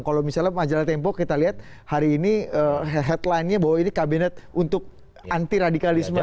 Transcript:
kalau misalnya majalah tempo kita lihat hari ini headline nya bahwa ini kabinet untuk anti radikalisme